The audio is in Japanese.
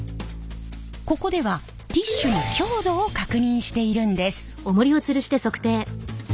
ここではティッシュの強度を確認しているんです。